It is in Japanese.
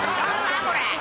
これ。